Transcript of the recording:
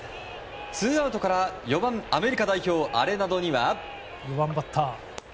ツーアウトから４番、アメリカ代表アレナドには。